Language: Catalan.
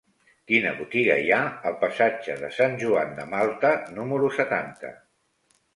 Quina botiga hi ha al passatge de Sant Joan de Malta número setanta?